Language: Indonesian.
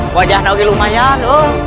wajahnya juga lumayan